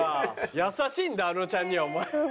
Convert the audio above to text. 優しいんだあのちゃんにはお前。